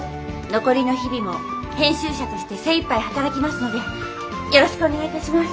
残りの日々も編集者として精いっぱい働きますのでよろしくお願い致します。